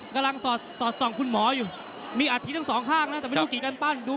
กำลังตอบคนหมออยู่